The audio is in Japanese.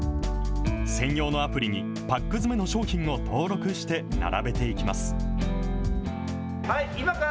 専用のアプリにパック詰めの商品を登録して、並べていきます。